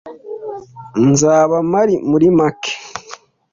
Nzaba mpari muri make.